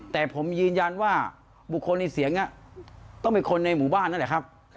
แต่ผมยืนยันว่าบุคคลในเสียงต้องเป็นคนในหมู่บ้านนั่นแหละครับ